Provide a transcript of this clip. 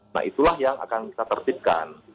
nah itulah yang akan kita tertipkan